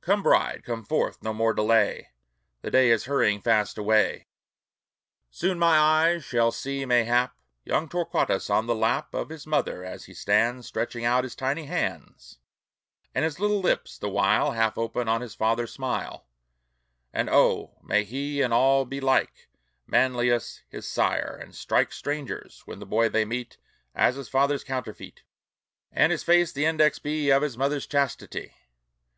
Come, bride, come forth! no more delay! The day is hurrying fast away! Soon my eyes shall see, mayhap, Young Torquatus on the lap Of his mother, as he stands Stretching out his tiny hands, And his little lips the while Half open on his father smile. And oh! may he in all be like Manlius his sire, and strike Strangers, when the boy they meet, As his father's counterfeit, And his face the index be Of his mother's chastity!